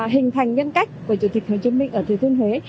hình thành nhân cách của chủ tịch hồ chí minh ở thừa thiên huế